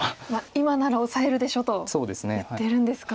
今ならオサえるでしょと言ってるんですか。